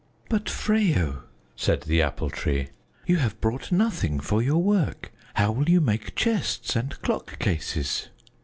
"But Freyo," said the Apple Tree, "you have brought nothing for your work! How will you make chests and clock cases?"